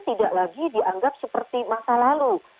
tidak lagi dianggap seperti masa lalu